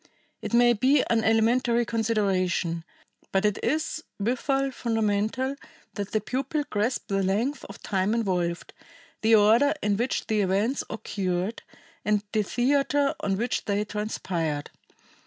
It may be an elementary consideration, but it is withal fundamental, that the pupil grasp the length of time involved, the order in which the events occurred, and the theater on which they transpired.